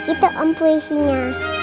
itu om puisinya